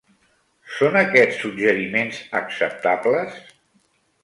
Són aquests suggeriments acceptables?